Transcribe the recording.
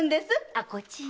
あこっちだ。